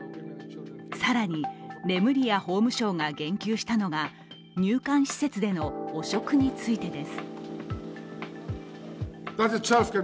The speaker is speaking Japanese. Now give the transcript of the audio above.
更にレムリヤ法務相が言及したのが入管施設での汚職についてです。